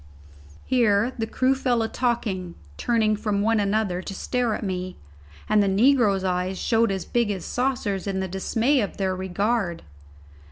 Here the crew fell a talking, turning from one another to stare at me, and the negroes' eyes showed as big as saucers in the dismay of their regard.